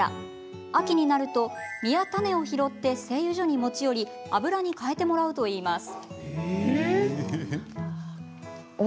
秋になると実や種を拾って製油所に持ち寄り油に換えてもらうといいます。